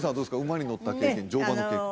馬に乗った経験乗馬の経験